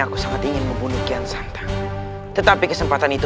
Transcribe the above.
aku sudah membantumu untuk membalaskan kita